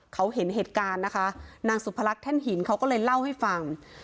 เขาเห็นเหตุการณ์นะคะนางสุพรรคแท่นหินเขาก็เลยเล่าให้ฟัง